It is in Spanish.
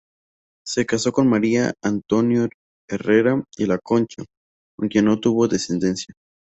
Se casó con María Antonio Herrera y la Concha, con quien no tuvo descendencia.